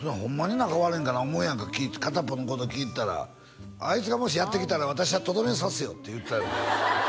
仲悪いんかな思うやんか片っぽのこと聞いてたら「あいつがもしやって来たら私はとどめを刺すよ！」って言ってたもん